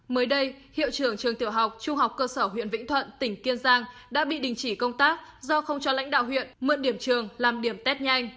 mới đây hiệu trưởng trường tiểu học trung học cơ sở huyện vĩnh thuận tỉnh kiên giang đã bị đình chỉ công tác do không cho lãnh đạo huyện mượn điểm trường làm điểm test nhanh